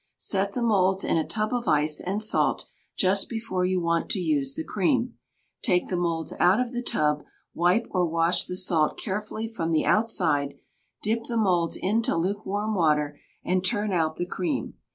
Set the moulds in a tub of ice and salt. Just before you want to use the cream, take the moulds out of the tub, wipe or wash the salt carefully from the outside, dip the moulds into lukewarm water, and turn out the cream.